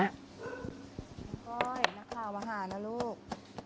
ก้อยนักข่าวมาหานะลูก